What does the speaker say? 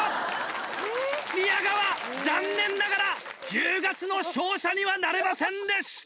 宮川残念ながら十月の勝者にはなれませんでした。